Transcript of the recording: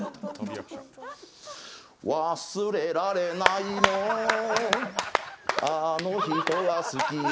忘れられないのあの人が好きよ。